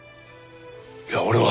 いや俺は。